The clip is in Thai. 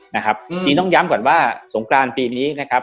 นะครับผมต้องย้ำว่าสงกรานค์ปีนี้นะครับ